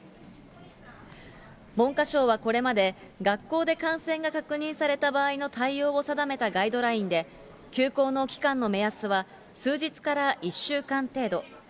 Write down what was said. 文科省はこれまで、学校で感染が確認された場合の対応を定めたガイドラインで、休校の期間の目安は数日から１週間程度。